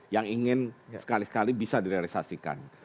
yang ingin sekali sekali bisa direalisasikan